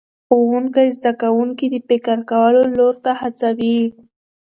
ښوونکی زده کوونکي د فکر کولو لور ته هڅوي